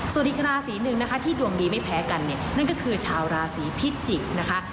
ส่วนอีกราศรีหนึ่งที่ดวงดีไม่แพ้กันนั่นก็คือชาวราศรีพิษจิกนะคะ